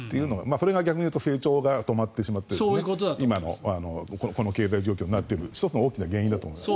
それが逆に言うと成長が止まってしまっている今のこの経済状況になっている１つの大きな原因だと思います。